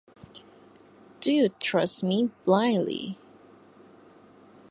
Do you trust me blindly?